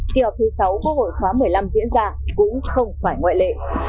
khi họp thứ sáu của hội khóa một mươi năm diễn ra cũng không phải ngoại lệ